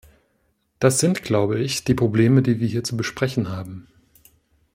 Das sind, glaube ich, die Probleme, die wir hier zu besprechen haben.